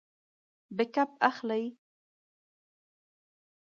بیک اپ اخلئ؟